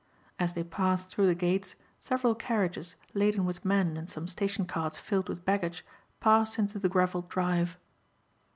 As they passed through the gates several carriages laden with men and some station carts filled with baggage passed into the gravelled drive.